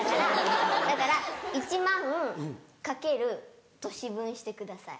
だから１万円掛ける年分してください。